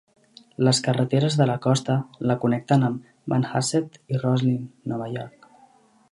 Les carreteres de la costa la connecten amb Manhasset i Roslyn, Nova York.